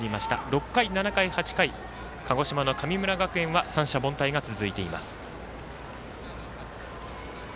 ６回、７回、８回鹿児島の神村学園は三者凡退が続いています。